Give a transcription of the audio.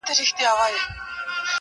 ځناور يې له لكيو بېرېدله-